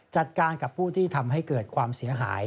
จัดการกับผู้ที่ทำให้เกิดความเสียหาย